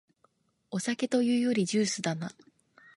お酒というよりジュースだな